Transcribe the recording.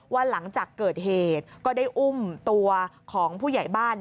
หลังจากเกิดเหตุก็ได้อุ้มตัวของผู้ใหญ่บ้าน